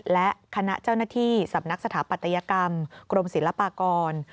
และคณะเจ้าหน้าที่สำนักสถาปัตยกรรมกรมศิลปากร